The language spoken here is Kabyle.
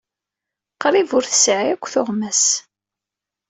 Qrib ur tesɛi akk tuɣmas.